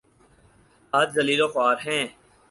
آج ذلیل وخوار ہیں۔